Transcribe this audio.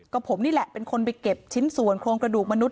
ก็ผมนี่แหละเป็นคนไปเก็บชิ้นส่วนโครงกระดูกมนุษ